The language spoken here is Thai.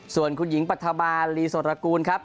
ส่วนคุณหญิงปฐมาลีสรกูลครับ